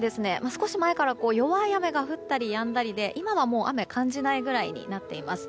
少し前から弱い雨が降ったりやんだりで今は雨は感じないくらいになっています。